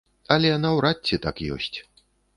Але наўрад ці так ёсць.